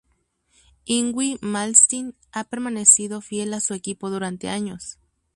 Yngwie Malmsteen ha permanecido fiel a su equipo durante años.